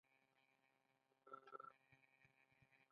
آیا تنوع د دوی شتمني نه ده؟